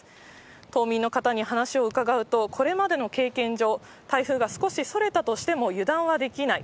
島民の方に話を伺うと、これまでの経験上、台風が少しそれたとしても油断はできない。